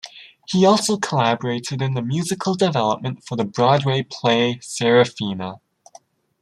He also collaborated in the musical development for the Broadway play, Sarafina!